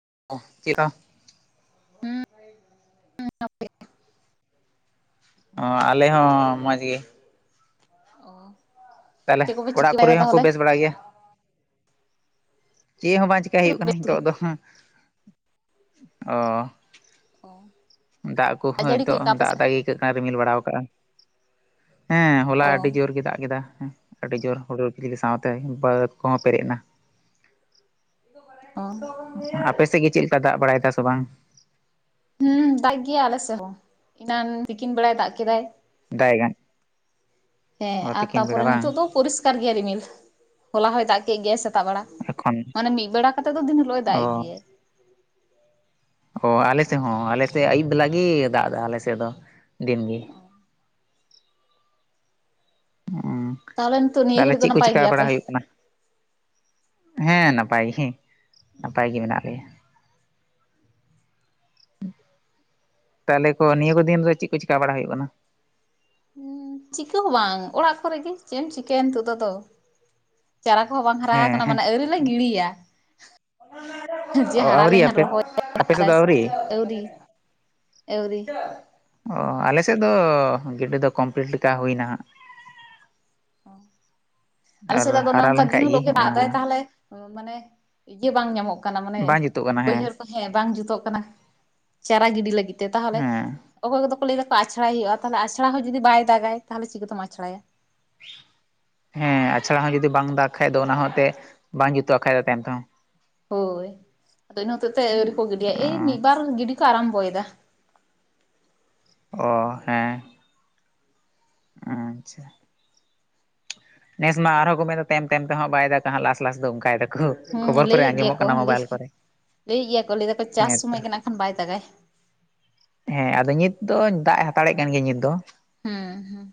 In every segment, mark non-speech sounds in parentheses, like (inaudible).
ᱪᱮᱫ ᱦᱩᱸ ᱚ ᱟᱞᱮ ᱦᱚᱸ ᱢᱚᱡᱽ ᱜᱮ ᱚ ᱛᱟᱦᱞᱮ ᱪᱮᱫ ᱠᱚᱯᱮ ᱪᱤᱠᱟᱹ ᱚᱲᱟᱜ ᱠᱚᱨᱮ ᱵᱟᱲᱟᱭᱮᱫᱟ ᱦᱚᱸᱠᱚ ᱛᱟᱦᱚᱞᱮ? ᱵᱮᱥ ᱵᱟᱲᱟᱭ ᱜᱮᱭᱟ ᱪᱮᱫ ᱦᱚᱸ ᱵᱟᱝ ᱪᱮᱟᱹᱭ ᱦᱩᱭᱩᱜ ᱠᱟᱱᱟ ᱵᱮᱥ ᱜᱮ ᱱᱤᱛᱚᱜ ᱫᱚ, ᱚ ᱫᱟᱜ ᱠᱚᱦᱚᱸᱭ ᱡᱟᱹᱲᱤ ᱠᱚ ᱱᱤᱛᱚᱜ ᱪᱮᱫᱠᱟ ᱟᱯᱮ ᱫᱟᱜ ᱥᱮᱫ? ᱫᱟᱜ ᱜᱮ ᱟᱹᱭᱠᱟᱹᱜ ᱠᱟᱱᱟ ᱨᱤᱢᱤᱞ ᱵᱟᱲᱟ ᱠᱟᱜᱼᱟ ᱦᱮᱸ ᱦᱚᱞᱟ ᱚ ᱟᱹᱰᱤ ᱡᱳᱨ ᱜᱮ ᱫᱟᱜ ᱠᱮᱫᱟ ᱟᱹᱰᱤ ᱡᱳᱨ ᱦᱩᱲᱩᱨ ᱠᱷᱤᱡᱞᱤ ᱥᱟᱶᱛᱮ ᱵᱟᱹᱫᱽ ᱠᱚᱦᱚᱸ ᱯᱮᱨᱮᱡ ᱮᱱᱟ᱾ ᱚ ᱟᱯᱮ ᱥᱮᱫ ᱜᱮ ᱪᱮᱫ ᱞᱮᱠᱟ ᱫᱟᱜ ᱵᱟᱲᱟᱭ ᱫᱟ ᱥᱮ ᱵᱟᱝ? ᱦᱩᱸ ᱫᱟᱜ ᱜᱮᱭᱟ ᱟᱞᱮ ᱥᱮᱫ ᱦᱚᱸ ᱮᱱᱟᱱ ᱛᱤᱠᱤᱱ ᱵᱮᱲᱟᱭ ᱫᱟᱜ ᱠᱮᱫᱟᱭ᱾ (unintelligible) ᱦᱮᱸ ᱚ ᱟᱨ ᱛᱤᱠᱤᱱ ᱵᱮᱲᱟ ᱛᱟᱨᱯᱚᱨᱮ ᱵᱟᱝ ᱱᱤᱛᱚᱜ ᱫᱚ ᱯᱚᱨᱤᱥᱠᱟᱨ ᱜᱮᱭᱟ ᱨᱤᱢᱤᱞ᱾ ᱦᱚᱞᱟ ᱦᱚᱭ ᱫᱟᱜ ᱠᱮᱫ ᱜᱮᱟᱭ ᱥᱮᱛᱟᱜ ᱵᱮᱲᱟ ᱮᱠᱷᱚᱱ ᱢᱟᱱᱮ ᱢᱤᱫ ᱵᱮᱲᱟ ᱠᱟᱛᱮᱜ ᱫᱚ ᱫᱤᱱ ᱦᱤᱞᱳᱜ ᱮ ᱚ ᱫᱟᱜ ᱮ ᱜᱮᱭᱟᱭ᱾ ᱚ ᱟᱞᱮ ᱥᱮᱫ ᱦᱚᱸ ᱟᱞᱮ ᱥᱮᱫ ᱟᱹᱭᱩᱵ ᱵᱮᱞᱟ ᱜᱮ ᱫᱟᱜ ᱮᱫᱟ ᱟᱞᱮ ᱥᱮᱫ ᱫᱚ ᱫᱤᱱ ᱜᱮ᱾ ᱦᱮᱸ ᱛᱟᱦᱚᱞᱮ ᱱᱤᱛᱚᱜ ᱱᱤᱭᱟᱹ ᱛᱟᱦᱞᱮ ᱜᱷᱟᱹᱲᱤᱡ ᱫᱚ ᱪᱮᱫ ᱠᱚ ᱱᱟᱯᱟᱭ ᱪᱤᱠᱟᱹ ᱵᱟᱲᱟ ᱜᱮᱭᱟᱯᱮ? ᱦᱩᱭᱩᱜ ᱠᱟᱱᱟ᱾ ᱦᱮᱸ ᱱᱟᱯᱟᱭ ᱜᱮ ᱱᱟᱯᱟᱭ ᱜᱮ ᱢᱮᱱᱟᱜ ᱞᱮᱭᱟ᱾ ᱛᱟᱦᱞᱮ ᱠᱚ ᱱᱤᱭᱟᱹ ᱠᱚ ᱫᱤᱱᱨᱮ ᱪᱮᱫ ᱠᱚ ᱪᱤᱠᱟ ᱵᱟᱲᱟ ᱦᱩᱭᱩᱜ ᱠᱟᱱᱟ᱾ ᱪᱤᱠᱟᱹ ᱦᱚᱸ ᱵᱟᱝ ᱚᱲᱟᱜ ᱠᱚᱨᱮᱜᱮ ᱪᱮᱫ ᱮᱢ ᱪᱤᱠᱟᱹᱭᱟ ᱱᱤᱛᱚᱜ ᱫᱚ ᱟᱫᱚ ᱪᱟᱨᱟ ᱠᱚᱦᱚᱸ ᱵᱟᱝ ᱦᱟᱨᱟ ᱦᱮᱸ ᱟᱠᱟᱱᱟ ᱦᱮᱸ ᱢᱟᱱᱮ ᱟᱹᱣᱨᱤᱞᱮ ᱜᱤᱲᱤᱭᱟ᱾ ᱡᱮ ᱚ ᱦᱟᱨᱟ ᱟᱹᱣᱨᱤ ᱞᱮᱱᱠᱷᱟᱱ ᱟᱯᱮ ᱨᱚᱦᱚᱭ ᱟᱯᱮ ᱥᱮᱫ ᱫᱚ ᱟᱹᱣᱨᱤ? ᱟᱹᱣᱨᱤ ᱟᱹᱣᱨᱤ ᱚ ᱟᱞᱮ ᱥᱮᱫ ᱫᱚ ᱜᱤᱰᱤ ᱫᱚ ᱠᱚᱢᱯᱞᱤᱴ ᱞᱮᱠᱟ ᱦᱩᱭ ᱱᱟ ᱦᱟᱜ᱾ ᱚ ᱟᱞᱮ ᱥᱮᱫ ᱫᱚ ᱟᱫᱚ ᱚᱱᱮ ᱦᱟᱨᱟ ᱚᱱᱠᱟ ᱫᱤᱱ ᱞᱮᱱᱠᱷᱟᱡ ᱦᱤᱞᱳᱜ ᱜᱮ ᱚᱱᱟ ᱫᱟᱜᱫᱟᱭ ᱛᱟᱦᱞᱮ ᱢᱟᱱᱮ ᱤᱭᱟᱹ ᱵᱟᱝ ᱧᱟᱢᱚᱜ ᱠᱟᱱᱟ ᱢᱟᱱᱮ ᱵᱟᱝ ᱡᱩᱛᱩᱜ ᱠᱟᱱᱟ ᱵᱟᱹᱭᱦᱟᱹᱲ ᱠᱚ ᱦᱮᱸ ᱵᱟᱝ ᱡᱩᱛᱚᱜ ᱠᱟᱱᱟ᱾ ᱪᱟᱨᱟ ᱜᱤᱰᱤ ᱞᱟᱹᱜᱤᱫ ᱛᱮ ᱛᱟᱦᱚᱞᱮ ᱦᱮᱸ ᱚᱠᱚᱭ ᱠᱚᱫᱚ ᱠᱚ ᱞᱟᱹᱭ ᱫᱟ ᱟᱷᱲᱟᱭ ᱦᱩᱭᱩᱜᱼᱟ ᱛᱟᱦᱞᱮ ᱟᱷᱲᱟ ᱦᱚᱸ ᱡᱩᱫᱤ ᱵᱟᱭ ᱫᱟᱜᱟᱭ ᱛᱟᱦᱚᱞᱮ ᱪᱤᱠᱟᱹᱛᱮᱢ ᱟᱪᱷᱲᱟᱭᱟ᱾ ᱦᱮᱸ ᱟᱪᱷᱟᱲᱟ ᱦᱚᱸ ᱡᱩᱫᱤ ᱵᱟᱝ ᱫᱟᱜ ᱠᱷᱟᱡ ᱫᱚ ᱚᱱᱟ ᱦᱚᱸ ᱮᱱᱛᱮᱫ ᱵᱟᱝ ᱡᱩᱛᱩᱜ ᱠᱷᱟᱱᱡ ᱫᱚ ᱛᱟᱭᱚᱢ ᱛᱮᱦᱚᱸ᱾ ᱦᱳᱭ ᱟᱫᱚ ᱤᱱᱟᱹ ᱦᱚᱛᱮᱫ ᱛᱮ ᱟᱹᱣᱨᱤ ᱠᱚ ᱜᱤᱰᱤᱭᱟ ᱮᱭ ᱢᱤᱫ ᱵᱟᱨ ᱜᱤᱰᱤ ᱠᱚ ᱟᱨᱟᱢᱵᱚᱭᱮᱫᱟ ᱚ ᱦᱮᱸ ᱟᱪᱪᱷᱟ ᱱᱮᱥ ᱢᱟ ᱟᱨᱦᱚᱸ ᱠᱚ ᱢᱮᱮᱫᱫᱟ ᱛᱟᱭᱚᱢ ᱛᱮᱦᱚᱸ ᱵᱟᱭ ᱫᱟᱜᱠᱟ ᱦᱟᱸ ᱞᱟᱥ ᱞᱟᱥ ᱫᱚ ᱚᱱᱠᱟᱭ ᱫᱟᱠᱚ ᱦᱮᱸ ᱠᱷᱚᱵᱚᱨ ᱠᱚᱨᱮ ᱞᱟᱹᱭᱮᱫ ᱟᱜᱮ ᱜᱮᱭᱟ ᱢᱚᱜ ᱠᱚ ᱠᱟᱱᱟ ᱞᱟᱹᱭ ᱢᱳᱵᱟᱭᱤᱞ ᱠᱚᱨᱮ ᱞᱟᱹᱭᱮᱫ ᱜᱮᱭᱟ ᱠᱚ ᱞᱟᱹᱭ ᱫᱟᱠᱚ ᱪᱟᱥ ᱦᱮᱸᱛᱚ ᱥᱚᱢᱚᱭ ᱜᱮ ᱱᱟᱜ ᱠᱷᱟᱱ ᱵᱟᱭ ᱫᱟᱜᱟᱭ ᱦᱮᱸ ᱟᱫᱚ ᱱᱤᱛ ᱫᱚ ᱫᱟᱜ ᱮ ᱦᱟᱛᱟᱲᱮᱫ ᱠᱟᱱ ᱜᱮᱭᱟ ᱱᱤᱛ ᱫᱚ ᱦᱮᱸ ᱦᱮᱸ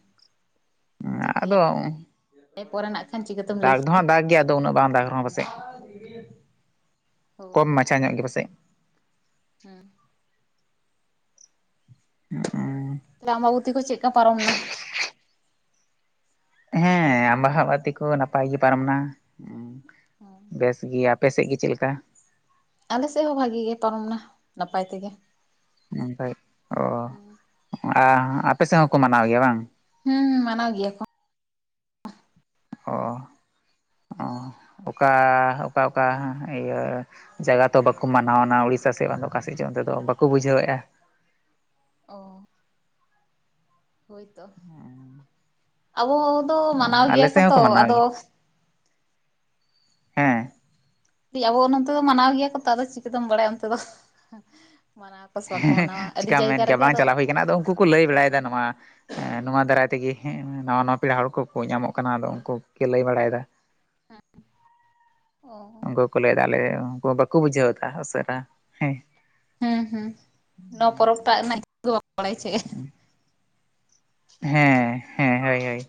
ᱦᱮ ᱟᱫᱚ ᱪᱤᱠᱟᱹᱭᱟᱭ ᱯᱚᱨᱮ ᱱᱟᱜ ᱠᱷᱟᱱ ᱪᱤᱠᱟᱹᱛᱮᱢ ᱞᱟᱹᱭ ᱫᱟᱜᱽ ᱫᱚᱦᱟᱸᱜ ᱫᱟᱜᱽ ᱜᱮᱭᱟ ᱟᱫᱚ ᱩᱱᱟᱹᱜ ᱵᱟᱝ ᱫᱟᱜᱽ ᱨᱮᱦᱚᱸ ᱯᱟᱥᱮᱡ ᱠᱚᱢ ᱦᱳᱭ ᱢᱟᱪᱷᱟ ᱧᱚᱜ ᱜᱮ ᱯᱟᱥᱮᱡ ᱦᱮᱸ (unintelligible) ᱟᱢᱵᱟᱵᱚᱛᱤ ᱠᱚ ᱪᱮᱫᱠᱟ ᱯᱟᱨᱚᱢᱱᱟ? ᱦᱮᱸ ᱟᱢ ᱵᱟᱦᱟ ᱵᱟᱛᱤ ᱠᱚ ᱱᱟᱯᱟᱭ ᱜᱮ ᱯᱟᱨᱚᱢ ᱱᱟ ᱵᱮᱥ ᱜᱮᱭᱟ ᱟᱯᱮ ᱥᱮᱫ ᱜᱮ ᱪᱮᱫ ᱞᱮᱠᱟ? ᱟᱞᱮ ᱥᱮᱫ ᱦᱚᱸ ᱵᱷᱟᱜᱤ ᱜᱮ ᱯᱟᱨᱚᱢᱱᱟ ᱱᱟᱯᱟᱭ ᱛᱮᱜᱮ᱾ (unintelligible) ᱚ ᱟᱨ ᱟᱯᱮ ᱥᱮᱫ ᱦᱚᱸᱠᱚ ᱢᱟᱱᱟᱣ ᱜᱮᱭᱟ ᱵᱟᱝ ᱦᱮᱸ ᱢᱟᱱᱟᱣ ᱜᱮᱭᱟ ᱠᱚ ᱚ ᱚᱠᱟ ᱚᱠᱟ ᱚᱠᱟ ᱤᱭᱟᱹ ᱡᱟᱭᱜᱟ ᱛᱚ ᱵᱟᱠᱚ ᱢᱟᱱᱟᱣᱱᱟ ᱩᱲᱤᱥᱥᱟ ᱥᱮᱫ ᱵᱟᱝ ᱚᱠᱟ ᱥᱮᱫ ᱚᱱᱛᱮ ᱫᱚ ᱵᱟᱠᱚ ᱵᱩᱡᱷᱟᱹᱣ ᱮᱼᱟ ᱚ ᱦᱳᱭᱛᱚ ᱟᱵᱚ ᱫᱚ ᱢᱟᱱᱟᱣ ᱟᱞᱮ ᱜᱮᱭᱟ ᱠᱚ ᱥᱮᱫ ᱛᱚ ᱦᱚᱸᱠᱚ ᱢᱟᱱᱟᱣ ᱟᱫᱚ ᱜᱮᱭᱟ ᱦᱮᱸ ᱟᱵᱚ ᱱᱚᱱᱚᱛ ᱫᱚ ᱢᱟᱱᱟᱣ ᱜᱮᱭᱟ ᱠᱚ ᱛᱚ ᱟᱫᱚ ᱪᱤᱠᱟᱹᱛᱮᱢ ᱵᱟᱲᱟᱭᱟ ᱚᱱᱛᱮ ᱫᱚ ᱢᱟᱱᱟᱣ ᱟᱠᱚ ᱥᱮ ᱵᱟᱠᱚ ᱦᱮᱸ ᱢᱟᱱᱟᱣᱟ ᱟᱹᱰᱤ ᱪᱤᱠᱟᱢ ᱢᱮᱱ ᱡᱟᱭᱜᱟ ᱠᱮᱭᱟ ᱨᱮᱜᱮ ᱵᱟᱝ ᱟᱫᱚ ᱪᱟᱞᱟᱣ ᱦᱩᱭ ᱠᱟᱱᱟ ᱟᱫᱚ ᱩᱱᱠᱩ ᱠᱚ ᱞᱟᱹᱭ ᱵᱟᱲᱟᱭᱮᱫᱟ ᱦᱳᱭ ᱱᱚᱣᱟ ᱮ ᱱᱚᱣᱟ ᱫᱟᱨᱟᱭᱛᱮ ᱛᱮᱜᱮᱮᱸ ᱱᱟᱣᱟ ᱱᱟ ᱯᱮᱲᱟ ᱦᱚᱲ ᱠᱚᱠᱚ ᱧᱟᱢᱚᱜ ᱠᱟᱱᱟ ᱟᱫᱚ ᱩᱱᱠᱩ ᱜᱮ ᱞᱟᱹᱭ ᱵᱟᱲᱟᱭᱮᱫᱟ ᱦᱮᱸ ᱩᱱᱠᱩ ᱠᱚ ᱞᱟᱹᱭ ᱫᱫᱟ ᱟᱞᱮ ᱩᱱᱠᱩ ᱵᱟᱠᱚ ᱵᱩᱡᱷᱟᱹᱣ ᱫᱟ ᱩᱥᱟᱹᱨᱟ ᱦᱮᱸ ᱦᱮᱸ ᱦᱩᱸ ᱱᱚᱣᱟ ᱯᱚᱨᱚᱵᱽᱴᱟᱜ ᱨᱮᱱᱟᱜ ᱫᱚ ᱵᱟᱠᱚ ᱵᱟᱲᱟᱭᱟ ᱪ ᱦᱮᱸ ᱦᱮᱸ ᱦᱳᱭ ᱦᱳᱭ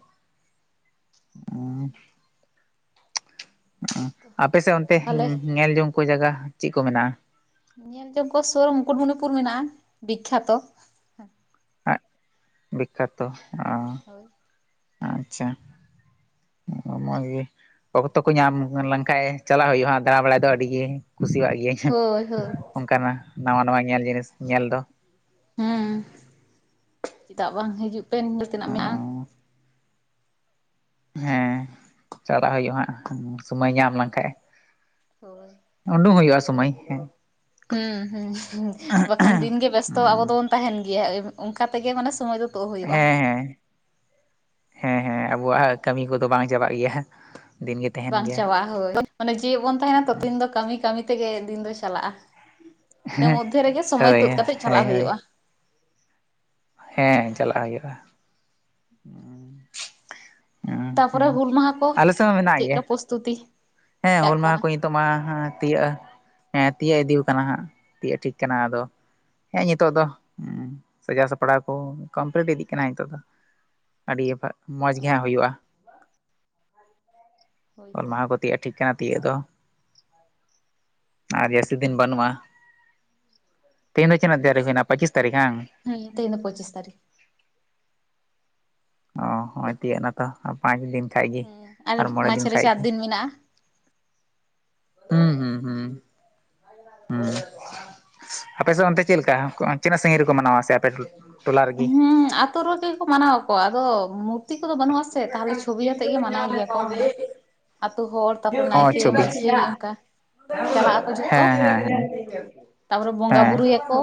ᱦᱳᱭᱛᱚ ᱟᱯᱮᱮᱥᱮᱫ ᱚᱱᱛᱮ ᱛᱟᱦᱚᱞᱮ ᱧᱮᱞ ᱡᱚᱝ ᱠᱚ ᱡᱟᱭᱜᱟ ᱪᱮᱫ ᱠᱚ ᱢᱮᱱᱟᱜᱼᱟ ᱧᱮᱞ ᱡᱚᱝ ᱠᱚ ᱥᱩᱨ ᱢᱩᱠᱩᱴᱢᱚᱱᱤᱯᱩᱨ ᱢᱮᱱᱟᱜᱼᱟ ᱵᱤᱠᱠᱷᱟᱛᱚ ᱵᱤᱠᱠᱷᱟᱛᱚ ᱚ ᱦᱳᱭ ᱟᱪᱪᱷᱟ ᱢᱚᱡᱽ ᱜᱮ ᱚᱠᱛᱚ ᱠᱚ ᱧᱟᱢ ᱞᱮᱱᱠᱷᱟᱡ ᱪᱟᱞᱟᱜ ᱦᱩᱭᱩᱜᱼᱟ ᱫᱟᱬᱟ ᱵᱟᱲᱟᱭ ᱫᱚ ᱟᱹᱰᱤ ᱜᱮ ᱠᱩᱥᱤᱭᱟᱜ ᱜᱤᱭᱟᱹᱧ ᱦᱳᱭ ᱦᱳᱭ ᱚᱱᱠᱟᱱᱟᱜ ᱱᱟᱣᱟ ᱱᱟᱣᱟ ᱧᱮᱞ ᱡᱤᱱᱤᱥ ᱧᱮᱞ ᱫᱚ ᱦᱮᱸ ᱪᱮᱫᱟᱜ ᱵᱟᱝ ᱦᱤᱡᱩᱜ ᱯᱮ ᱧᱮᱞ ᱛᱮᱱᱟᱜ ᱢᱮᱱᱟᱜᱼᱟ ᱦᱮᱸ ᱪᱟᱞᱟᱜ ᱦᱩᱭᱩᱜ ᱦᱟᱸᱜ ᱥᱚᱢᱚᱭ ᱧᱟᱢ ᱞᱮᱱᱠᱷᱟᱡ ᱦᱳᱭ ᱩᱰᱩᱠ ᱦᱩᱭᱩᱜᱼᱟ ᱥᱚᱢᱚᱭ ᱦᱮᱸ ᱦᱩᱸ ᱦᱩᱸ ᱵᱟᱠᱷᱟᱱ ᱫᱤᱱᱜᱮ ᱵᱮᱥᱛᱚ ᱟᱵᱚ ᱫᱚᱵᱚᱱ ᱛᱟᱦᱮᱱ ᱜᱮ ᱜᱮᱭᱟ ᱚᱱᱠᱟᱛᱮᱜᱮ ᱢᱟᱱᱮ ᱥᱚᱢᱚᱭ ᱫᱚ ᱛᱳᱫ ᱦᱩᱭᱩᱜᱼᱟ ᱦᱮᱸ ᱦᱮᱸ ᱦᱮᱸ ᱦᱮᱸ ᱟᱵᱚᱣᱟᱜ ᱠᱟᱹᱢᱤ ᱠᱚᱫᱚ ᱵᱟᱝ ᱪᱟᱵᱟᱜ ᱜᱮᱭᱟ ᱫᱤᱱᱜᱮ ᱛᱟᱦᱮᱱ ᱵᱟᱝ ᱜᱮᱭᱟ ᱪᱟᱵᱟᱜᱼᱟ ᱦᱳᱭ ᱢᱟᱱᱮ ᱡᱮᱣᱮᱫ ᱵᱚᱱ ᱛᱟᱦᱮᱱᱟ ᱛᱚᱚᱛᱤᱱ ᱫᱚ ᱠᱟᱹᱢᱤ ᱠᱟᱹᱢᱤ ᱛᱮᱜᱮ ᱫᱤᱱ ᱫᱚ ᱪᱟᱞᱟᱜᱼᱟ ᱤᱱᱟᱹ ᱢᱚᱫᱽᱫᱷᱮ ᱨᱮᱜᱮ ᱥᱚᱢᱚᱭ ᱦᱳᱭ ᱛᱩᱫ ᱠᱟᱛᱮᱜ ᱦᱳᱭ ᱪᱟᱞᱟᱜ ᱦᱳᱭ ᱦᱩᱭᱩᱜᱼᱟ ᱦᱮᱸ ᱪᱟᱞᱟᱜ ᱦᱩᱭᱩᱜᱼᱟ ᱦᱸ ᱛᱟᱯᱚᱨᱮ ᱦᱮᱸ ᱦᱩᱞ ᱢᱟᱦᱟ ᱠᱚ ᱟᱞ ᱥᱮ ᱦᱚᱸ ᱢᱮᱱᱟᱜ ᱜᱮᱭᱟ ᱪᱮᱫᱠᱟ ᱯᱨᱚᱥᱛᱩᱛᱤ ᱦᱮᱸ ᱪᱟᱜ ᱦᱩᱞ ᱢᱟᱦᱟ ᱠᱟᱱᱟ ᱠᱚ ᱱᱤᱛᱚᱜ ᱢᱟ ᱛᱤᱭᱟᱹᱜᱼᱟ ᱦᱮᱸ ᱦᱮᱸ ᱛᱤᱭᱟᱹᱜ ᱤᱫᱤ ᱠᱟᱱᱟ ᱦᱟᱸᱜ ᱛᱤᱭ ᱮ ᱴᱷᱤᱠ ᱠᱟᱱᱟ ᱟᱫᱚ ᱦᱮᱸ ᱱᱤᱛᱚᱜ ᱫᱚ ᱦ ᱥᱟᱡᱟᱣ ᱥᱟᱯᱲᱟᱣ ᱠᱚ ᱠᱚᱢᱯᱞᱤᱴ ᱤᱫᱤᱜ ᱠᱟᱱᱟ ᱱᱤᱛᱚᱜ ᱫᱚ ᱟᱹᱰᱤ ᱢᱚᱡᱽ ᱜᱮᱦᱟᱸᱜ ᱦᱩᱭᱩᱜᱼᱟ ᱦᱳᱭ ᱛᱚ ᱤᱭᱼᱟ ᱴᱷᱤᱠ ᱠᱟᱱᱟ ᱛᱤᱭᱳᱜ ᱫᱚ ᱟᱨ ᱡᱟᱹᱥᱛᱤ ᱫᱤᱱ ᱵᱟᱹᱱᱩᱜᱼᱟ ᱛᱮᱦᱧ ᱫᱚ ᱪᱤᱱᱟᱹᱜ ᱛᱟᱨᱤᱜ ᱦᱩᱭᱮᱱᱟ ᱯᱚᱸᱪᱤᱥ ᱛᱟᱨᱤᱠᱷ ᱦᱟᱝ ᱦᱮᱸ ᱛᱮᱦᱮᱧ ᱫᱚ ᱯᱚᱸᱪᱤᱥ ᱛᱟᱹᱨᱤᱠᱷ ᱚ ᱦᱚᱸ ᱛᱤᱭᱟᱹᱜ ᱮᱱᱟᱛᱚ ᱟ ᱯᱟᱸᱪ ᱫᱤᱱ ᱠᱷᱟᱡ ᱜᱮ ᱦᱮᱸ ᱟᱨ ᱢᱚᱬᱮ ᱫᱤᱱ ᱢᱟᱡᱷᱮᱨᱮ ᱠᱷᱟ ᱪᱟᱨ ᱜᱮ ᱢᱮᱱᱟᱜᱼᱟ ᱦᱩᱸ ᱦᱩᱸ ᱦᱩᱸ ᱦᱮᱸ ᱟᱯᱮ ᱥᱮᱫ ᱚᱱᱛᱮ ᱪᱮᱫᱞᱮᱠᱟ ᱛᱤᱱᱟᱹᱜ ᱥᱟᱺᱜᱤᱧ ᱨᱮᱠᱚ ᱢᱟᱱᱟᱣᱟ ᱥᱮᱮ ᱟᱯᱮ ᱴᱚᱞᱟ ᱨᱮᱜᱮ ᱦᱩᱸ ᱟᱛᱳ ᱨᱮᱜᱮ ᱠᱚ ᱢᱟᱱᱟᱣᱟᱚᱣᱟᱠᱚ ᱟᱫᱚ ᱢᱩᱛᱤ ᱠᱚᱫᱚ ᱵᱟᱹᱱᱩᱜ ᱟᱥᱮ ᱛᱟᱦᱚᱞᱮ ᱪᱷᱚᱵᱤ ᱟᱛᱮᱜ ᱜᱮ ᱢᱟᱱᱟᱣ ᱜᱮᱭᱟ ᱠᱚᱢ ᱢᱟᱱᱮ ᱟᱹᱛᱩᱳ ᱦᱚᱲ ᱛᱟᱨᱯᱚᱨᱮ ᱚ ᱱᱟᱭᱠᱮ ᱪᱚᱵᱵᱤᱥ ᱢᱟᱺᱡᱷᱤ ᱚᱱᱠᱟ ᱪᱟᱞᱟᱜ ᱟᱠᱚ ᱡᱚᱛᱚ ᱦᱮᱸ ᱦᱮᱸ ᱦᱮᱸ ᱛᱟᱨᱯᱚᱨᱮ ᱵᱚᱸᱜᱟ ᱦᱮᱸ ᱵᱨᱭᱟᱠᱚ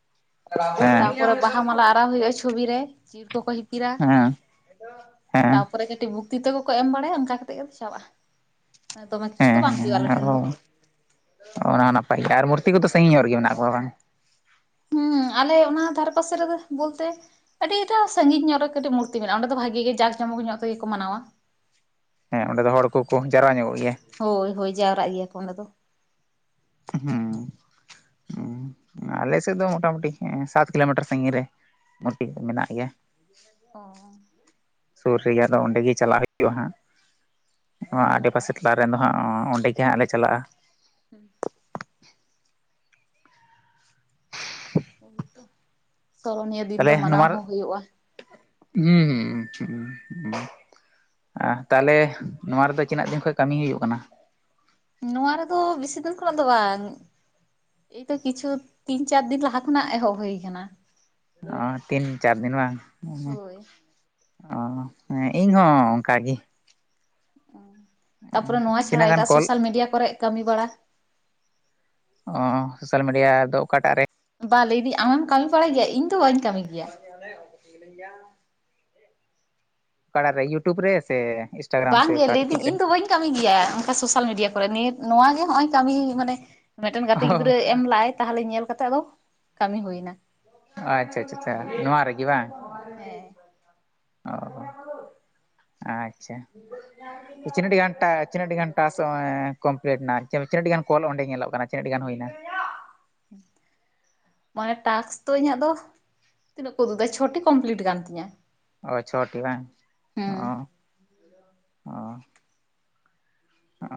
(unintelligible) ᱨᱟᱣ ᱦᱩᱭᱩᱜᱼᱟ ᱪᱷᱚᱵᱤ ᱨᱮ ᱪᱤᱲ ᱠᱚᱠᱚ ᱦᱤᱯᱤᱨᱟ ᱦᱮᱸ ᱦᱮᱸ ᱛᱟᱯᱚᱨᱮ ᱠᱟᱹᱴᱤᱡ ᱵᱩᱠ ᱛᱤ ᱛᱟ ᱠᱚ ᱮᱢ ᱵᱟᱲᱟᱭᱟ ᱚᱱᱠᱟ ᱠᱟᱛᱮ ᱜᱮᱠᱚ ᱪᱟᱵᱟᱜᱼᱟ ᱫᱚᱢᱮ ᱠᱤᱪᱷᱩ ᱫᱚ ᱦᱮᱸ ᱵᱟᱝ ᱦᱮᱸ ᱦᱩᱭᱩᱜᱼᱟ ᱟᱞᱮ ᱟᱨ ᱴᱷᱮᱱ ᱫᱚ ᱚᱱᱟ ᱦᱚᱸ ᱱᱟᱯᱟᱭ ᱜᱮ ᱟᱨ ᱢ ᱢᱩᱨᱛᱤ ᱠᱚᱫᱚ ᱥᱟᱺᱟᱹᱜᱤᱧᱚᱜ ᱜᱮᱮ ᱢᱮᱱᱟᱜ ᱠᱚᱣᱟ ᱵᱟᱝ ᱦᱩᱸ ᱟᱞᱮ ᱚᱱᱟ ᱫᱷᱟᱨᱮ ᱯᱟᱥᱮ ᱨᱮᱫᱚ ᱵᱚᱞᱛᱮ ᱟᱹᱰᱤᱴᱟ ᱥᱟᱺᱜᱤᱧ ᱧᱚᱜ ᱨᱮᱴᱤᱡ ᱢᱩᱨᱛᱤ ᱢᱮᱱᱟᱜᱼᱟ ᱚᱸᱰᱮ ᱫᱚ ᱵᱷᱟᱜᱤ ᱜᱮ ᱡᱠᱧ ᱢᱚᱠ ᱧᱚᱜ ᱛᱮ ᱜᱮᱠᱚ ᱢᱟᱱᱟᱣᱟ ᱦᱮᱸ ᱚᱸᱰᱮ ᱫᱚ ᱦᱚᱲ ᱠᱚᱠᱚ ᱡᱟᱣᱨᱟ ᱧᱚᱜᱚᱜ ᱜᱮᱭᱟ ᱦᱳᱭ ᱦᱳᱭ ᱡᱟᱣᱨᱟᱜ ᱜᱮᱭᱟ ᱠᱚ ᱚᱸᱰᱮ ᱫᱚ ᱦᱩᱸ ᱦᱮᱸ ᱟᱞᱮ ᱥᱮᱫ ᱫᱚ ᱢᱚᱴᱟᱢᱩᱴᱤ ᱥᱟᱛ ᱠᱤᱞᱳᱢᱤᱴᱟᱨ ᱥᱟᱺᱜᱤᱧ ᱨᱮ ᱢᱚᱴ ᱢᱮᱱᱟᱜ ᱜᱮᱭᱟ ᱚ ᱥᱩᱨ ᱨᱮᱭᱟᱜ ᱫᱚ ᱚᱸᱰᱮ ᱜᱮ ᱪᱟᱞᱟᱜ ᱦᱩᱭᱩᱜᱼᱟ ᱦᱟᱸᱜ ᱱᱚᱣᱟ ᱟᱰᱮᱯᱟᱥᱮ ᱴᱟᱞᱟᱨᱮᱱ ᱫᱚ ᱦᱟᱸ ᱚᱸᱰᱮ ᱜᱮ ᱦᱟᱸᱜ ᱞᱮ ᱪᱟᱞᱟᱜᱼᱟ ᱦᱩᱸ (inaudible) ᱫᱤᱱ ᱛᱟᱦᱚᱞᱮ ᱫᱚ ᱢᱟᱱᱟᱣ ᱱᱚᱣᱟ ᱦᱚᱸ ᱦᱩᱭᱩᱜᱼᱟ ᱦᱩᱸ ᱦᱩᱸ ᱮᱸ ᱛᱟᱦᱚᱞᱮ ᱱᱚᱣᱟ ᱨᱮᱫᱚ ᱛᱤᱱᱟᱹᱜ ᱫᱤᱱ ᱠᱷᱚᱱ ᱠᱟᱹᱢᱤ ᱦᱩᱭᱩᱜ ᱠᱟᱱᱟ ᱱᱚᱣᱟ ᱨᱮᱫᱚ ᱵᱮᱥᱤ ᱫᱤᱱ ᱠᱷᱚᱱᱟᱜ ᱫᱚ ᱵᱟᱝ ᱮᱛᱚ ᱠᱤᱪᱷᱩ ᱛᱤᱱ ᱪᱟᱨᱫᱤᱱ ᱞᱟᱦᱟ ᱠᱷᱚᱱᱟᱜ ᱮᱦᱚᱵ ᱦᱩᱭ ᱠᱟᱱᱟ ᱚ ᱛᱤᱱ ᱪᱟᱨ ᱫᱤᱱ ᱵᱟᱝ ᱦᱳᱭ ᱚ ᱦᱮᱸ ᱤᱧ ᱦᱚᱸ ᱚᱱᱠᱟᱜᱤ ᱛᱟᱨᱯᱚᱨᱮ ᱱᱚᱣᱟ ᱛᱤᱱᱟᱹᱜ ᱪᱷᱟᱲᱟ ᱜᱟᱱ ᱮᱴᱟᱜ ᱠᱚᱞ ᱥᱳᱥᱟᱞ ᱢᱤᱰᱤᱭᱟ ᱠᱚᱨᱮᱜ ᱠᱟᱹᱢᱤ ᱵᱟᱲᱟ ᱚ ᱥᱳᱥᱟᱞ ᱢᱤᱰᱤᱭᱟᱫᱚ ᱚᱠᱟᱴᱟᱜ ᱨᱮ ᱵᱟ ᱞᱟᱹᱭ ᱫᱟᱹᱧ ᱟᱢᱮᱢ ᱠᱟᱹᱢᱤ ᱵᱟᱲᱟᱭ ᱜᱮᱭᱟ ᱤᱧ ᱫᱚ ᱵᱟᱹᱧ ᱠᱟᱹᱢᱤ ᱜᱮᱭᱟ ᱢᱤᱱᱟᱹᱧ-ᱟ ᱚᱠᱟᱴᱟᱜ ᱨᱮ ᱤᱭᱩᱴᱩᱵᱽ ᱨᱮ ᱥᱮ ᱤᱱᱥᱴᱟᱜᱨᱟᱢ ᱥᱮ ᱵᱟᱝᱜᱮ ᱚᱠᱟ ᱞᱟᱹᱭᱫᱟᱹᱧ ᱪᱮᱫ ᱨᱮ ᱤᱧ ᱫᱚ ᱵᱟᱹᱧ ᱠᱟᱹᱢᱤ ᱜᱮᱭᱟ ᱚᱱᱠᱟ ᱥᱳᱥᱟᱞ ᱢᱤᱰᱤᱭᱟ ᱠᱚᱨᱮ ᱱᱤᱛ ᱱᱚᱣᱟᱜ ᱜᱮ ᱦᱚᱸᱜ-ᱚᱭ ᱠᱟᱹᱢᱤ ᱢᱟᱱᱮ ᱢᱤᱫᱴᱮᱱ ᱜᱟᱛᱮ ᱚ ᱜᱤᱫᱽᱨᱟᱹ ᱮᱢ ᱞᱟᱜ-ᱟᱭ ᱛᱟᱦᱚᱞᱮ ᱧᱮᱞ ᱠᱟᱛᱮ ᱟᱫᱚ ᱠᱟᱹᱢᱤ ᱦᱩᱭᱱᱟ ᱟᱪᱪᱷᱟ ᱟᱪᱪᱷᱟ ᱱᱚᱣᱟ ᱨᱮᱜᱮ ᱵᱟᱝ ᱦᱮᱸ ᱚ ᱟᱪᱪᱷᱟ ᱪᱤᱱᱟᱹᱜ ᱴᱤ ᱜᱷᱟᱱᱴᱟ ᱪᱤᱱᱟᱹᱜ ᱴᱤ ᱜᱷᱟᱱᱴᱟ ᱥᱚᱭ ᱠᱚᱢᱯᱞᱤᱴ ᱱᱟ ᱟᱹᱰᱤ ᱜᱟᱱ ᱠᱚᱞ ᱚᱸᱰᱮ ᱧᱮᱞᱚᱜ ᱠᱟᱱᱟ ᱛᱤᱱᱟᱹᱜ ᱴᱤ ᱜᱟᱱ ᱦᱩᱭᱱᱟ ᱦᱮᱸ ᱢᱟᱱᱮ ᱴᱟᱥᱠ ᱫᱚ ᱤᱧᱟᱹᱜ ᱫᱚ ᱛᱤᱱᱟᱹᱜ ᱠᱚ ᱩᱫᱩᱜ ᱫᱟ ᱪᱷᱚᱴᱤ ᱠᱚᱢᱯᱤᱞᱤᱴ ᱠᱟᱱ ᱛᱤᱧᱟ ᱚ ᱪᱷᱚᱴᱤ ᱵᱟᱝ ᱚ ᱚ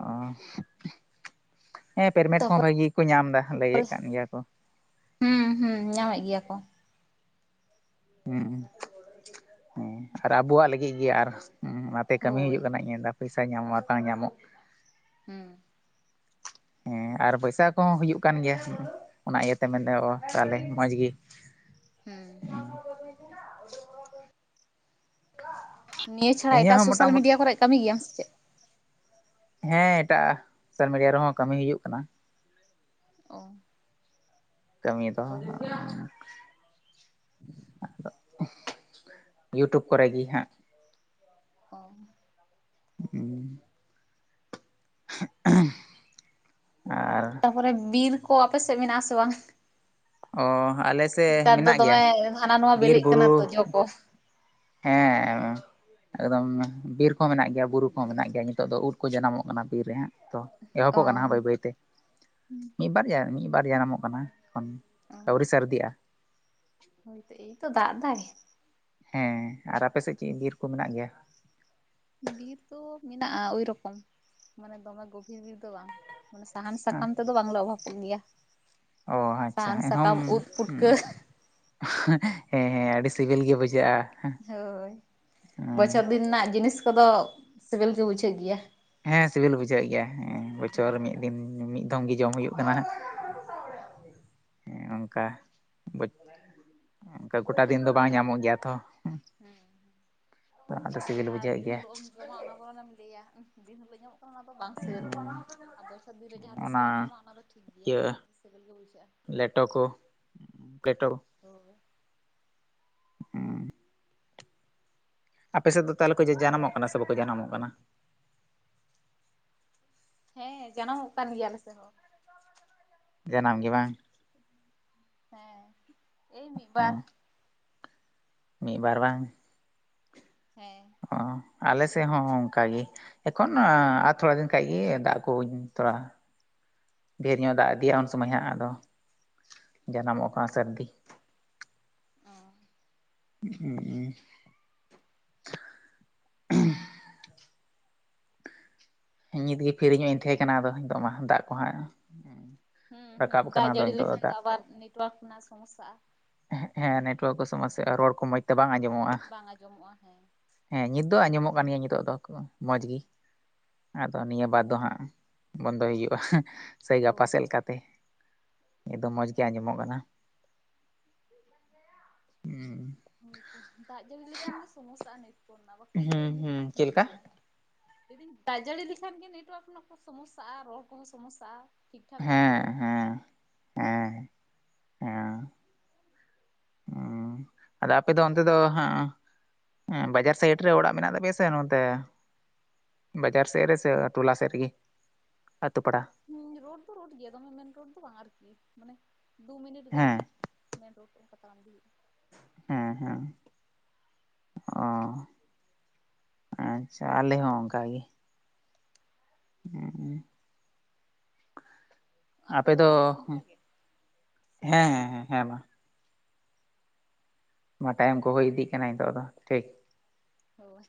ᱚ ᱦᱮᱸ ᱯᱮᱨᱢᱮᱴ ᱠᱚᱦᱚᱸ ᱛᱟᱯᱚᱨ ᱵᱷᱟᱜᱤ ᱜᱤ ᱠᱚ ᱧᱟᱢ ᱮᱫᱟ ᱞᱟᱹᱭᱮᱫ ᱠᱟᱱ ᱜᱮᱭᱟ ᱠᱚ ᱦᱩᱸ ᱦᱩᱸ ᱧᱟᱢᱮᱫ ᱜᱮᱭᱟ ᱠᱚ ᱦᱮᱸ ᱦᱮᱸ ᱟᱨ ᱟᱵᱚᱣᱟᱜ ᱞᱟᱹᱜᱤᱫ ᱜᱮ ᱟᱨ ᱦᱩᱸ ᱚᱱᱟᱛᱮ ᱠᱟᱹᱢᱤ ᱦᱳᱭ ᱦᱩᱭᱩᱜ ᱠᱟᱱᱟ ᱤᱧᱫᱟ ᱯᱚᱭᱥᱟ ᱧᱟᱢᱚᱜᱼᱟ ᱟᱨ ᱵᱟᱝ ᱧᱟᱢᱚᱜ ᱦᱩᱸ ᱦᱩᱸ ᱟᱨ ᱯᱚᱭᱥᱟᱠ ᱠᱚᱦᱚᱸ ᱦᱩᱭᱩᱜ ᱠᱟᱱ ᱜᱮᱭᱟ ᱚᱱᱟ ᱤᱭᱟᱹᱛᱮ ᱢᱮᱱᱫᱚᱼᱟ ᱛᱟᱦᱚᱞᱮ ᱢᱚᱡᱽ ᱜᱮ ᱦᱩᱸ ᱱᱤᱭᱟᱹ ᱪᱷᱟᱲᱟ ᱤᱧᱟᱹᱜ ᱮᱴᱟᱜ ᱦᱚᱸ ᱥᱳᱥᱟᱞ ᱢᱚᱴᱟᱢᱩᱴᱤ ᱢᱤᱰᱤᱭᱟ ᱠᱚᱨᱮ ᱠᱟᱹᱢᱤ ᱜᱮᱭᱟᱢ ᱥᱮ ᱪᱮᱫ ᱦᱮᱸ ᱮᱴᱟᱜ ᱥᱳᱥᱟᱞ ᱢᱤᱰᱤᱭᱟ ᱨᱮᱦᱚᱸ ᱠᱟᱹᱢᱤ ᱦᱩᱭᱩᱜ ᱠᱟᱱᱟ ᱚ ᱠᱟᱹᱢᱤ ᱫᱚ ᱟᱫᱚ ᱤᱭᱩᱴᱩᱵᱽ ᱠᱚᱨᱮ ᱜᱤ ᱦᱟᱸᱜ ᱚ ᱦᱩᱸ ᱟᱨ ᱛᱟᱨᱯᱚᱨᱮ ᱵᱤᱨ ᱠᱚ ᱟᱯᱮ ᱥᱮᱫ ᱢᱮᱱᱟᱜ ᱟᱥᱮ ᱵᱟᱝ? ᱚ ᱟᱞᱮ ᱥᱮᱫ ᱱᱮᱛᱟᱨ ᱫᱚ ᱢᱮᱱᱟᱜ ᱜᱮᱭᱟ ᱫᱚᱢᱮ ᱦᱟᱱᱟ ᱱᱚᱣᱟ ᱵᱤᱨ ᱵᱤᱞᱤᱜ ᱵᱩᱨᱩ ᱠᱟᱱᱟ ᱛᱚ ᱡᱚ ᱠᱚ᱾ ᱦᱮᱸ ᱮᱠᱫᱚᱢ ᱵᱤᱨ ᱠᱚ ᱢᱮᱱᱟᱜ ᱜᱮᱭᱟ ᱵᱩᱨᱩ ᱠᱚᱦᱚᱸ ᱢᱮᱱᱟᱜ ᱜᱮᱭᱟ ᱱᱤᱛᱚᱜ ᱫᱚ ᱩᱫ ᱠᱚ ᱡᱟᱱᱟᱢᱚᱜ ᱠᱟᱱᱟ ᱵᱤᱨ ᱨᱮᱦᱟᱸᱜ᱾ ᱛᱚ ᱚ ᱮᱦᱚᱵᱚᱜ ᱠᱟᱱᱟ ᱵᱟᱹᱭ ᱵᱟᱹᱭᱛᱮ ᱢᱤᱫ ᱵᱟᱨᱭᱟ ᱢᱤᱫ ᱵᱟᱨᱭᱟ ᱱᱟᱢᱚᱜ ᱠᱟᱱᱟ ᱠᱷᱚᱱ ᱟᱹᱣᱨᱤ ᱥᱟᱨᱫᱤᱼᱟ᱾ ᱦᱳᱭ ᱛᱚ ᱮᱭ ᱛᱚ ᱫᱟᱜ ᱫᱟᱭ ᱦᱮᱸ ᱟᱨ ᱟᱯᱮ ᱥᱮᱫ ᱪᱮᱫ ᱵᱤᱨ ᱠᱚ ᱢᱮᱱᱟᱜ ᱜᱮᱭᱟ? ᱵᱤᱨ ᱫᱚ ᱢᱮᱱᱟᱜᱼᱟ ᱳᱭ ᱨᱚᱠᱚᱢ ᱢᱟᱱᱮ ᱫᱚᱢᱮ ᱜᱚᱵᱷᱤᱨ ᱵᱤᱨ ᱫᱚ ᱵᱟᱝ᱾ ᱥᱟᱦᱟᱱ ᱥᱟᱠᱟᱢ ᱛᱮᱫᱚ ᱵᱟᱝᱞᱮ ᱚᱵᱷᱟᱵ ᱠᱚᱜ ᱜᱮᱭᱟ᱾ ᱚ ᱟᱪᱪᱷᱟ ᱥᱟᱦᱟᱱ ᱮᱱ ᱦᱚᱢ ᱥᱟᱠᱟᱢ ᱩᱫ ᱦᱮᱸ ᱯᱩᱴᱠᱟᱹ ᱦᱮᱸ ᱟᱹᱰᱤ ᱥᱤᱵᱤᱞ ᱜᱮ ᱵᱩᱡᱷᱟᱹᱜᱼᱟ᱾ ᱦᱳᱭ ᱵᱚᱪᱷᱚᱨ ᱫᱤᱱ ᱨᱮᱱᱟᱜ ᱡᱤᱱᱤᱥ ᱠᱚᱫᱚ ᱥᱤᱵᱤᱞ ᱜᱮ ᱵᱩᱡᱷᱟᱹᱜ ᱜᱮᱭᱟ᱾ ᱦᱮᱸ ᱥᱤᱵᱤᱞ ᱵᱩᱡᱷᱟᱹᱜ ᱜᱮᱭᱟ ᱦᱮᱸ ᱵᱚᱪᱷᱚᱨ ᱢᱤᱫ ᱦᱩᱸ ᱫᱤᱱ ᱢᱤᱫ᱾ ᱫᱚᱢ ᱜᱮ ᱡᱚᱢ ᱦᱩᱭᱩᱜ ᱠᱟᱱᱟᱜ ᱦᱮᱸ ᱚᱱᱠᱟ ᱵᱩᱪ ᱚᱱᱠᱟ ᱜᱚᱴᱟ ᱫᱤᱱ ᱫᱚ ᱵᱟᱝ ᱧᱟᱢᱚᱜ ᱜᱮᱭᱟ ᱛᱚ ᱟᱫᱚ ᱦᱮᱸ ᱥᱤᱵᱤᱞ ᱡᱟᱦᱟᱸ ᱵᱩᱡᱷᱟᱹᱜ ᱫᱤᱱ ᱜᱮᱭᱟ ᱦᱤᱞᱳᱜ ᱮᱢ ᱡᱚᱢᱟ ᱚᱱᱟ ᱵᱚᱨᱚᱱᱮᱢ ᱞᱟᱹᱭᱟ ᱫᱤᱱ ᱦᱚᱸᱞᱮ ᱧᱟᱢᱚᱜ ᱠᱟᱱᱟ ᱚᱱᱟ ᱫᱚ ᱵᱟᱝ ᱥᱤᱵᱤᱞ ᱠᱟᱱᱟ ᱟᱨ ᱵᱚᱪᱷᱚᱨ ᱫᱤᱱ ᱨᱮ ᱡᱟᱦᱟᱸ ᱛᱤᱥ ᱨᱮᱢ ᱡᱚᱢᱟ ᱚᱱᱟ ᱫᱚ ᱴᱷᱤᱠ ᱜᱮᱭᱟ ᱤᱭᱟᱹ ᱥᱮᱵᱮᱞ ᱜᱮ ᱵᱩᱡᱷᱟᱹᱣ ᱞᱮᱴᱚ ᱠᱚ ᱯᱞᱮᱴᱚ ᱟ ᱦᱳᱭ ᱦᱮᱸ ᱟᱯᱮ ᱥᱮᱫ ᱫᱚ ᱛᱟᱦᱚᱞᱮ ᱠᱚ ᱡᱟᱱᱟᱢᱚᱜ ᱠᱟᱱᱟ ᱥᱮ ᱵᱟᱠᱚ ᱡᱟᱱᱟᱢᱚᱜ ᱠᱟᱱᱟ ᱦᱮᱸ ᱡᱟᱱᱟᱢᱚᱜ ᱠᱟᱱ ᱜᱮᱭᱟᱞᱮ ᱥᱮ ᱦᱚᱸ ᱡᱟᱱᱟᱢ ᱜᱮ ᱵᱟᱝ ᱦᱮᱸ ᱮᱭ ᱢᱤᱫ ᱵᱟᱨ ᱢᱤᱫᱵᱟᱨ ᱵᱟᱝ ᱦᱮᱸ ᱚ ᱟᱞᱮ ᱥᱮᱫ ᱦᱚᱸ ᱚᱱᱠᱟ ᱜᱮ ᱮᱠᱷᱚᱱ ᱟᱨ ᱛᱷᱚᱲᱟ ᱫᱤᱱ ᱚ ᱠᱷᱟᱱ ᱜᱮ ᱫᱟᱜ ᱠᱩᱧ ᱛᱷᱚᱲᱟ ᱰᱷᱮᱨ ᱧᱚᱜ ᱫᱟᱜ ᱤᱫᱤᱭᱟ ᱩᱱ ᱥᱚᱢᱚᱭ ᱦᱟᱸᱜ ᱟᱫᱚ ᱦᱳᱭᱛᱚ ᱡᱟᱱᱟᱢᱚᱜ ᱠᱟᱱᱟ ᱥᱟᱹᱨᱫᱤ ᱚ ᱦᱮᱸ ᱦᱸ ᱱᱤᱛᱜᱮ ᱯᱷᱤᱨᱤᱧ ᱧᱚᱜ ᱤᱧ ᱛᱟᱦᱮᱸ ᱠᱟᱱᱟ ᱟᱫᱚ ᱱᱤᱛᱚᱜ ᱢᱟ ᱫᱟᱜ ᱠᱚᱦᱟᱸᱜ ᱦᱮᱸ ᱦᱮᱸ ᱫᱟᱜ ᱡᱟᱹᱲᱤ ᱞᱮᱠᱷᱟᱱ ᱫᱚ ᱟᱵᱟᱨ ᱱᱮᱴᱣᱟᱨᱠ ᱨᱮᱱᱟᱜ ᱥᱚᱢᱚᱥᱥᱟᱼᱟ᱾ ᱯᱟᱹᱷᱣᱟᱹ ᱠᱚ ᱥᱚᱢᱟ ᱨᱚᱲ ᱠᱚ ᱢᱚᱸᱡᱽ ᱛᱮ ᱵᱟᱝ ᱟᱸᱡᱚᱢᱚᱜᱼᱟ ᱵᱟᱝ ᱟᱸᱡᱚᱢᱚᱜᱼᱟ ᱦᱮᱸ ᱦᱮᱸ ᱱᱤᱛ ᱫᱚ ᱟᱸᱡᱚᱢᱚᱜ ᱠᱟᱱᱟ ᱠᱟᱱ ᱜᱮᱭᱟ ᱱᱤᱛᱚᱜ ᱫᱚ ᱢᱚᱸᱡᱽ ᱦᱩᱸ ᱜᱮ ᱟᱫᱚ ᱱᱤᱭᱟᱹ ᱵᱟᱫ ᱫᱚ ᱦᱟᱸᱜ ᱵᱚᱱᱫᱚᱭ ᱦᱩᱭᱩᱜᱼᱟ ᱥᱮᱭ ᱜᱟᱯᱟ ᱦᱳᱭ ᱥᱮᱫ ᱞᱮᱠᱟᱛᱮ ᱱᱤᱛ ᱫᱚ ᱢᱚᱡᱽ ᱜᱮ ᱟᱸᱡᱚᱢᱚᱜ ᱠᱟᱱᱟ ᱦᱩᱸ ᱦᱳᱭᱛᱚ ᱫᱟᱜ ᱡᱟᱹᱲᱤ ᱞᱮᱠᱷᱟᱱ ᱜᱮ ᱥᱚᱢᱚᱥᱥᱟ ᱱᱤᱛ ᱵᱚᱱᱱᱟ ᱵᱟᱠᱷᱟᱱ ᱫᱚ ᱦᱩᱸ ᱮᱢᱱᱤ ᱦᱩᱸ ᱛᱮᱫᱚ ᱴᱷᱤᱠ ᱪᱮᱫ ᱞᱮᱠᱟ ᱜᱮᱭᱟ ᱞᱟᱹᱭ ᱫᱤᱧ ᱫᱟᱜ ᱡᱟᱹᱲᱤ ᱞᱮᱠᱷᱟᱱ ᱜᱮ ᱱᱮᱴᱣᱟᱨᱠ ᱨᱮᱱᱟᱜ ᱥᱚᱢᱚᱥᱥᱟᱼᱟ ᱨᱚᱲ ᱠᱚᱦᱚᱸ ᱥᱚᱢᱚᱥᱥᱟᱼᱟ ᱴᱷᱤᱠ ᱴᱷᱟᱠ ᱵᱟᱝ ᱦᱮᱸ ᱟᱸᱡᱚᱢᱚᱜᱼᱟ᱾ ᱦᱮᱸ ᱦᱮᱸ ᱦᱮᱸ ᱦᱩᱸ ᱟᱫᱚ ᱟᱯᱮ ᱫᱚ ᱚᱱᱛᱮ ᱫᱚ ᱦᱚᱸ ᱦᱮᱸ ᱵᱟᱡᱟᱨ ᱥᱟᱭᱤᱰ ᱨᱮ ᱚᱲᱟᱜ ᱢᱮᱱᱟᱜ ᱛᱟᱯᱮᱭᱟ ᱥᱮ ᱱᱚᱛᱮ ᱵᱟᱡᱟᱨ ᱥᱮᱫ ᱨᱮᱥᱮ ᱴᱚᱞᱟ ᱥᱮᱫ ᱨᱮᱜᱮ ᱟ ᱟᱹᱛᱩ‌ ᱯᱟᱲᱟ ᱦᱮᱸ ᱨᱳᱰ ᱫᱚ ᱨᱳᱰ ᱜᱮᱭᱟ ᱫᱚᱢᱮ ᱢᱮᱱ ᱨᱳᱰ ᱫᱚ ᱵᱟᱝ ᱟᱨᱠᱤ ᱢᱟᱱᱮ ᱫᱩ ᱢᱤᱱᱤᱴ ᱜᱟᱱ ᱦᱮᱸ ᱢᱮᱱ ᱨᱳᱰ ᱚᱱᱠᱟ ᱛᱟᱲᱟᱢ ᱤᱫᱤᱭ ᱦᱩᱭᱩᱜᱼᱟ᱾ ᱦᱮᱸ ᱦᱮᱸ ᱚ ᱟᱪᱪᱷᱟ ᱟᱞᱮ ᱦᱚᱸ ᱚᱱᱠᱟᱜᱮ ᱦᱮᱸ ᱟᱯᱮ ᱫᱚ ᱛᱟᱦᱚᱞᱮ ᱚᱱᱠᱟ ᱜᱮ ᱥᱮ ᱦᱮᱸ ᱦᱮᱸ ᱥᱟᱺᱜᱤᱧ ᱦᱮᱸ ᱢᱟ ᱢᱟ ᱴᱟᱭᱤᱢ ᱠᱚ ᱦᱩᱭ ᱤᱫᱤᱜ ᱠᱟᱱᱟ ᱱᱤᱛᱚᱜ ᱫᱚ ᱴᱷᱤᱠ᱾ ᱦᱳᱭ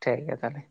ᱴᱷᱤᱠ ᱜᱮᱭᱟ ᱛᱟᱦᱞᱮ